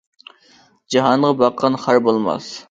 جاھانغا باققان خار بولماس.